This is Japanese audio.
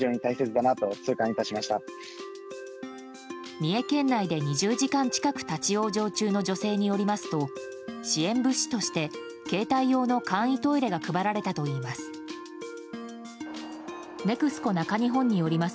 三重県内で２０時間近く立ち往生中の女性によりますと支援物資として携帯用の簡易トイレが配られたといいます。